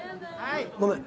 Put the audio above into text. ごめん。